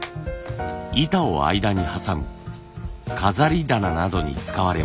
板を間に挟む飾り棚などに使われます。